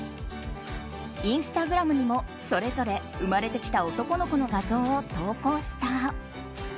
インスタグラムにもそれぞれ生まれてきた男の子の画像を投稿した。